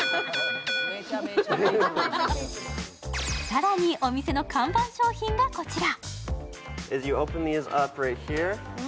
更にお店の看板商品がこちら。